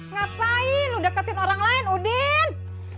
ngapain udah deketin orang lain udin